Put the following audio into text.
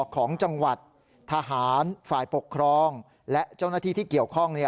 ของจังหวัดทหารฝ่ายปกครองและเจ้าหน้าที่ที่เกี่ยวข้อง